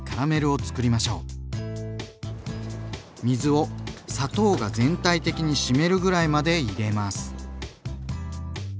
水を砂糖が全体的に湿るぐらいまで入れます。